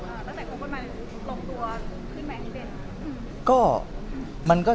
ตั้งแต่พบกันมาลงตัวขึ้นมาอย่างนี้เป็น